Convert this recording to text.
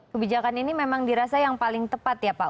kebijakan ini memang dirasa yang paling tepat ya pak